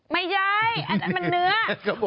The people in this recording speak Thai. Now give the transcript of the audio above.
ไม่ใช่อันนั้นมันเนื้อ